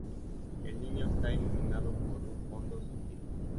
El niño está iluminado por un fondo sombrío.